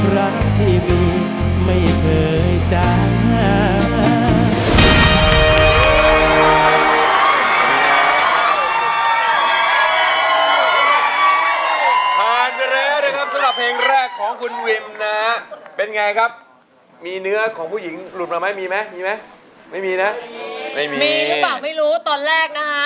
รักที่มีไม่เคยจ้าง